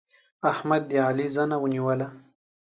احمد د علي زنه ونيوله.